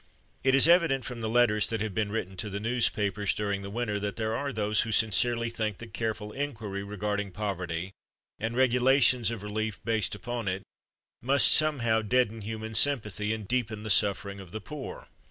It is evident from the letters that have been written to the newspapers during the winter that there are those who sincerely think that careful inquiry regarding poverty, and regulations of relief based upon it, must somehow deaden human sympathy and deepen the suffering of the poor.